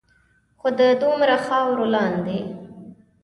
خو د دومره خاورو لاندے